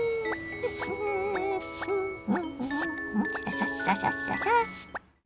さっささっささ。